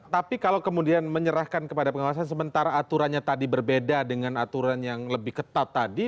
tapi kalau kemudian menyerahkan kepada pengawasan sementara aturannya tadi berbeda dengan aturan yang lebih ketat tadi